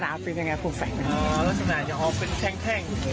ลักษณะเป็นยังไงพุ่งแฝก